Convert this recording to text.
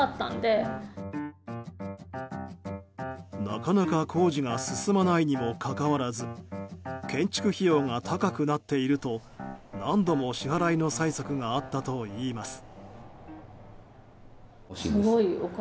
なかなか工事が進まないにもかかわらず建築費用が高くなっていると何度も支払いの催促があったといいます。